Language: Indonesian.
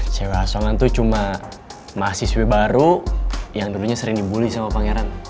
cewek asongan itu cuma mahasiswi baru yang dulunya sering dibully sama pangeran